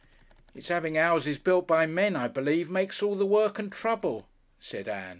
"It's 'aving 'ouses built by men, I believe, makes all the work and trouble," said Ann....